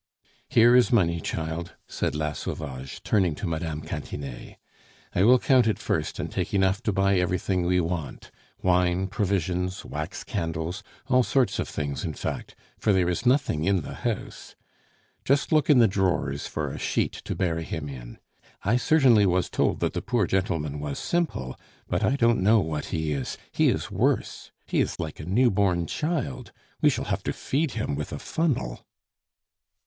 "Here is money, child," said La Sauvage, turning to Mme. Cantinet. "I will count it first and take enough to buy everything we want wine, provisions, wax candles, all sorts of things, in fact, for there is nothing in the house.... Just look in the drawers for a sheet to bury him in. I certainly was told that the poor gentleman was simple, but I don't know what he is; he is worse. He is like a new born child; we shall have to feed him with a funnel."